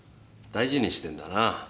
大事にしてんだな。